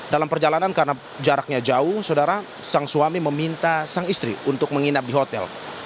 dalam perjalanan karena jaraknya jauh saudara sang suami meminta sang istri untuk menginap di hotel